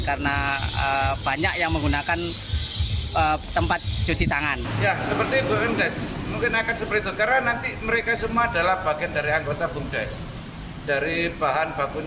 karena banyak yang menggunakan tempat cuci tangan mungkin akan seperti itu karena nanti mereka semua